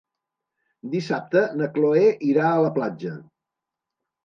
Dissabte na Cloè irà a la platja.